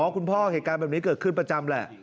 พ่อเหตุการณ์แบบนี้เกิดขึ้นประจำแหละ